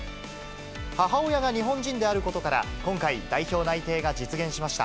母親が日本人であることから今回、代表内定が実現しました。